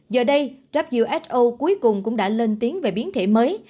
giờ đây who cuối cùng cũng đã lên tiếng về biến thể mới